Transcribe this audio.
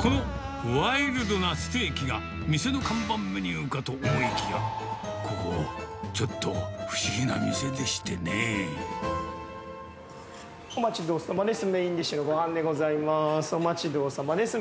このワイルドなステーキが、店の看板メニューかと思いきや、ここ、ちょっと不思議な店でしてお待ちどおさまです。